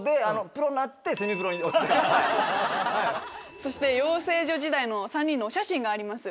そして養成所時代の３人のお写真があります。